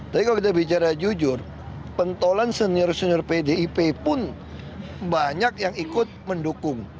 tapi kalau kita bicara jujur pentolan senior senior pdip pun banyak yang ikut mendukung